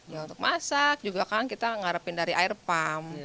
ya untuk masak juga kan kita ngarepin dari air pump